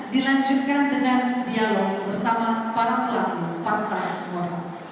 dilanjutkan dengan dialog bersama para pelaku pasar luar biasa